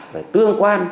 phải tương quan